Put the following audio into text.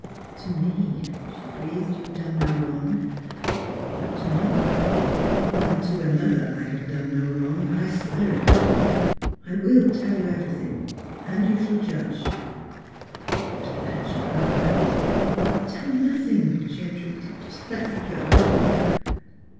*' To me," she breathed, '' you have done no wrong; but to another "^' To another, I have done no wrong, I swear it! I will tell you everything and you shall judge " But at that she cried out. Tell me nothing," she entreated. ^' Let me go!"